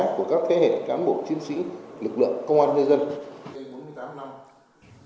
của các thế hệ cán bộ chiến sĩ lực lượng công an nhân dân